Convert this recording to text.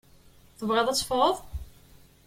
Tebɣiḍ ad teffɣeḍ?